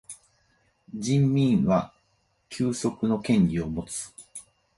人民は休息の権利をもつ。